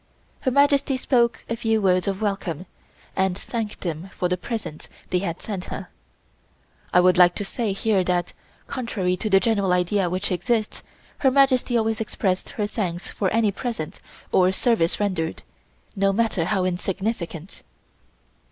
Her Majesty spoke a few words of welcome and thanked them for the presents they had sent her. I would like to say here that, contrary to the general idea which exists, Her Majesty always expressed her thanks for any present or service rendered, no matter how insignificant.